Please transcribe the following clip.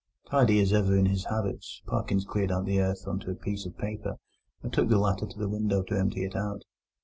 Tidy as ever in his habits, Parkins cleared out the earth on to a piece of paper, and took the latter to the window to empty it out.